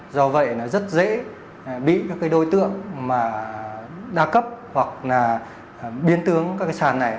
do vậy rất dễ bị các đối tượng đa cấp hoặc biến tướng các sàn này